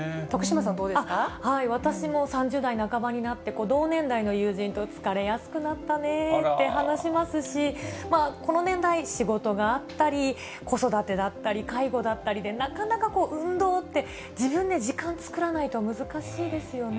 私も３０代半ばになって、同年代の友人と、疲れやすくなったねって話しますし、この年代、仕事があったり、子育てだったり、介護だったりで、なかなか運動って、自分で時間作らないと難しいですよね。